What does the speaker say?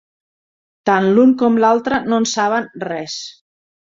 Tant l'un com l'altre no en saben res.